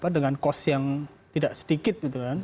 dengan kos yang tidak sedikit